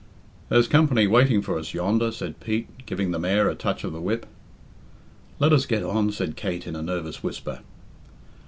"There's company waiting for us yonder," said Pete, giving the mare a touch of the whip. "Let us get on," said Kate in a nervous whisper.